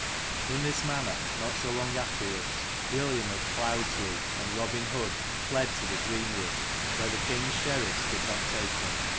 In this manner, not so long afterwards, William of Cloudeslea and Robin Hood fled to the greenwood, where the king's sheriffs could not take them.